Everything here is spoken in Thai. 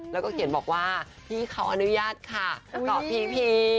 แล้วก็เขียนบอกว่าพี่เขาอนุญาตค่ะเกาะพีพี